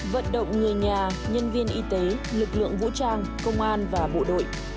vận động người nhà nhân viên y tế lực lượng vũ trang công an và bộ đội